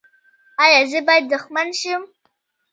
ایا زه باید دښمن شم؟